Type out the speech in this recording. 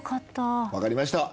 わかりました。